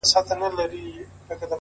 صبر د ستونزو شور اراموي